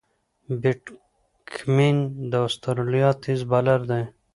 پیټ کمېن د استرالیا تېز بالر دئ.